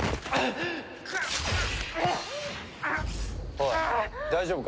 おい大丈夫か？